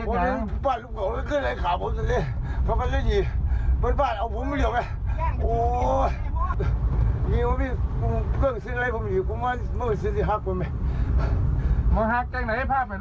เจ้าเล่นหนีตำรวจเฮ็ดแหงละ